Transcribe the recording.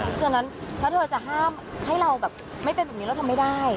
เพราะฉะนั้นถ้าเธอจะห้ามให้เราแบบไม่เป็นแบบนี้เราทำไม่ได้